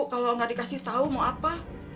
kalau enggak dikasih tau mau apa